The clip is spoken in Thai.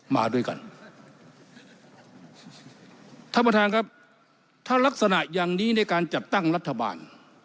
มาด้วยกันท่านประธานครับถ้ารักษณะอย่างนี้ในการจัดตั้งรัฐบาล